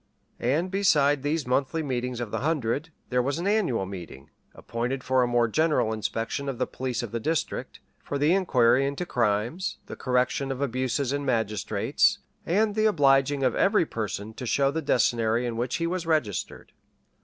And beside these monthly meetings of the hundred, there was an annual meeting, appointed for a more general inspection of the police of the district; for the inquiry into crimes, the correction of abuses in magistrates, and the obliging of every person to show the decennary in which he was registered.